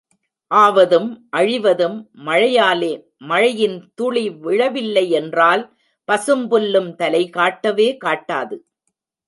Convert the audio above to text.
ஆவதும் அழிவதும் மழையாலே, மழையின் துளி விழவில்லை என்றால் பசும்புல்லும் தலை காட்டவே காட்டாது.